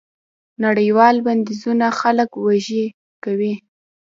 نړیوال بندیزونه خلک وږي کوي.